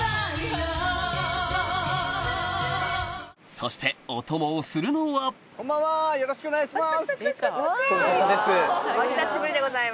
そしてお供をするのはこんばんはよろしくお願いします。